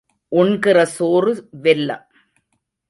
உண்கிற சோறு வெல்லம்.